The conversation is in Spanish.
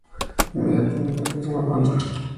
Inmediatamente alcanzó la fama.